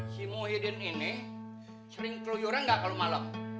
si muhyiddin ini sering keluyuran gak kalo malem